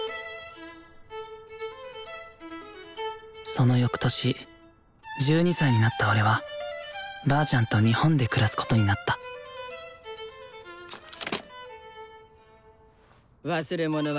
その翌年１２歳になった俺はばあちゃんと日本で暮らすことになった忘れ物はないかい？